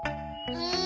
うん。